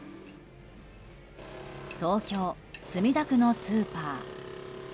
東京・墨田区のスーパー。